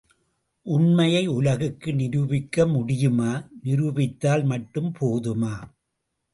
உண்மையை உலகுக்கு நிரூபிக்க முடியுமா? நிரூபித்தால் மட்டும் போதுமா?